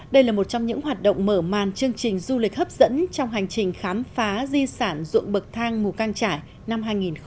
đây là một trong những hoạt động mở màn chương trình du lịch hấp dẫn trong hành trình khám phá di sản ruộng bậc thang mù căng trải năm hai nghìn một mươi chín